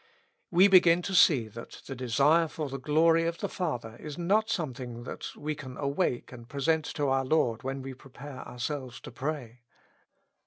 We begin to see that the desire for the glory of the Father is not something that we can awake and pre sent to our Ivord when we prepare ourselves to pray.